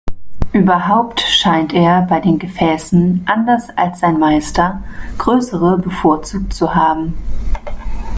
Überhaupt scheint er bei den Gefäßen anders als sein Meister größere bevorzugt zu haben.